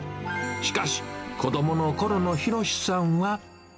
しかし、子どものころの博さんは。